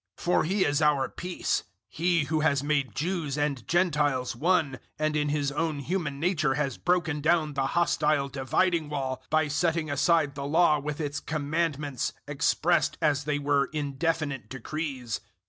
002:014 For He is our peace He who has made Jews and Gentiles one, and in His own human nature has broken down the hostile dividing wall, 002:015 by setting aside the Law with its commandments, expressed, as they were, in definite decrees.